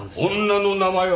女の名前は？